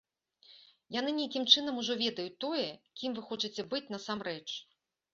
Яны нейкім чынам ужо ведаюць тое, кім вы хочаце быць насамрэч.